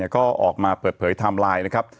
ก็ออกมาเปิดเผยไทม์ไลน์นะครับ